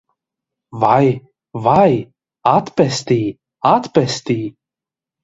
Vai, vai! Atpestī! Atpestī!